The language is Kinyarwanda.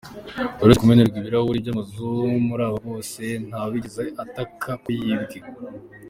Uretse kumenerwa ibirahuri by’amazu muri aba bose ntawigeze ataka ko yibwe.